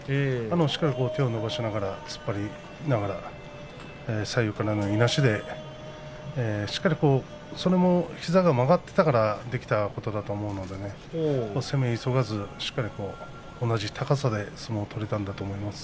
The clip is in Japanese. しっかり手を伸ばしながら突っ張りながら左右からのいなしでそれも膝が曲がっていたからできたことだと思うので攻め急がず、しっかりと同じ高さで相撲を取れたんだと思います。